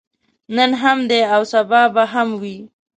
نن هم دی او سبا به هم وي.